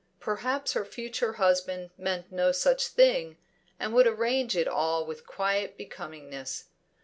Perhaps her future husband meant no such thing, and would arrange it all with quiet becomingness.